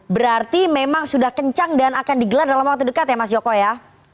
berarti memang sudah kencang dan akan digelar dalam waktu dekat ya mas joko ya